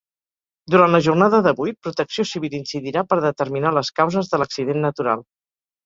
Durant la jornada d’avui, Protecció Civil incidirà per determinar les causes de l’accident natural.